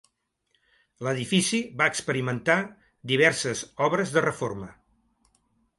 L'edifici va experimentar diverses obres de reforma.